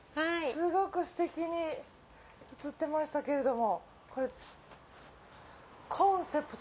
すごくすてきに映ってましたけれども。